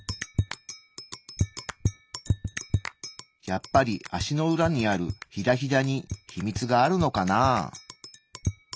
やっぱり足の裏にあるヒダヒダに秘密があるのかな？